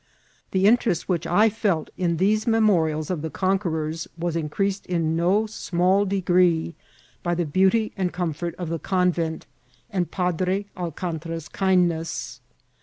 The interest which I felt in FIRST SIGHT OF THB PACIFIC. these memorials of the conquerors was increased in no small degree by the beauty and comfort of the conventi and Padre Alcantra's kindness.